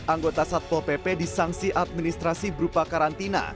anggota satpol pp disangsi administrasi berupa karantina